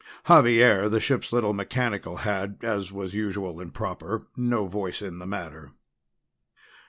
Xavier, the ship's little mechanical, had as was usual and proper no voice in the matter.